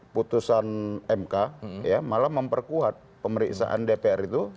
putusan mk malah memperkuat pemeriksaan dpr itu